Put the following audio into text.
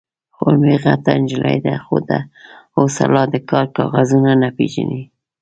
_خور مې غټه نجلۍ ده، خو تر اوسه لا د کار کاغذونه نه پېژني.